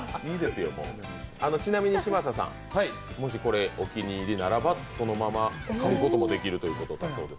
ちなみに嶋佐さん、もしこれお気に入りならば飼うこともできるということで。